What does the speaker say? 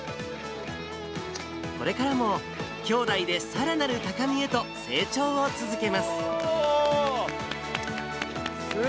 これからも、兄弟でさらなる高みへと成長を続けます。